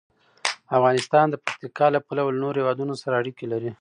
افغانستان د پکتیکا له پلوه له نورو هېوادونو سره اړیکې لري.